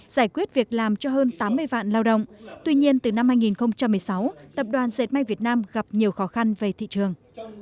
giải quyết việc làm cho hơn tám mươi vạn lao động tuy nhiên từ năm hai nghìn một mươi sáu tập đoàn dệt may việt nam gặp nhiều khó khăn về thị trường